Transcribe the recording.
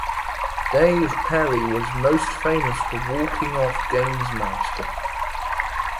Dave Perry was most famous for walking off "Gamesmaster".